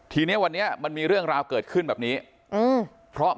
ทีนี้วันนี้มันมีเรื่องราวเกิดขึ้นแบบนี้อืมเพราะ